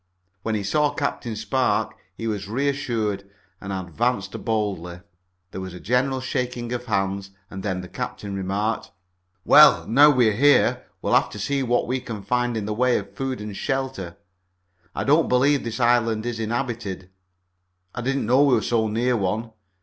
When he saw Captain Spark he was reassured and advanced boldly. There was a general shaking of hands, and then the captain remarked: "Well, now we're here we'll have to sec what we can find in the way of food and shelter. I don't believe this island is inhabited. I didn't know we were so near one.